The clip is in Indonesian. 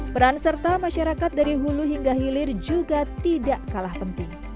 peran serta masyarakat dari hulu hingga hilir juga tidak kalah penting